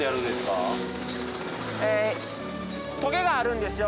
トゲがあるんですよ